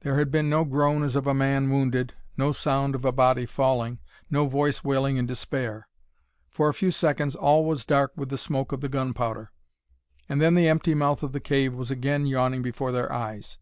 There had been no groan as of a man wounded, no sound of a body falling, no voice wailing in despair. For a few seconds all was dark with the smoke of the gunpowder, and then the empty mouth of the cave was again yawning before their eyes.